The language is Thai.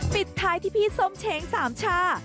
ปิดท้ายที่พี่ส้มเช้งสามชา